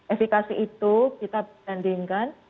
efikasi itu kita bandingkan